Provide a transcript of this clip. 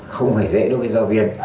không hề dễ đối với giáo viên